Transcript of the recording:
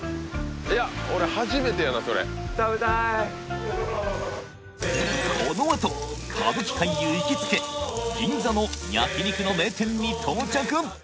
あとこのあと歌舞伎俳優行きつけ銀座の焼肉の名店に到着！